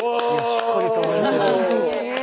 しっかり歌われてる。